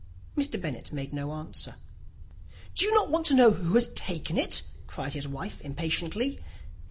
Mr. Bennet made no answer. "Do not you want to know who has taken it?" cried his wife, impatiently.